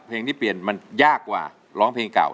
เพลงที่เปลี่ยนมันยากกว่าร้องเพลงเก่า